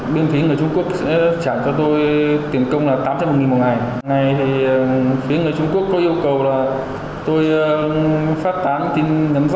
bộ công an